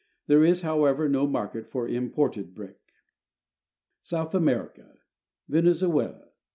There is, however, no market for imported brick. SOUTH AMERICA Venezuela.